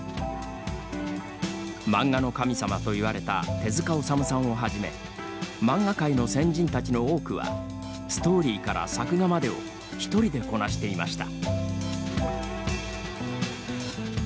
漫画の神様と言われた手塚治虫さんをはじめ漫画界の先人たちの多くはストーリーから作画までを１人でこなしていました。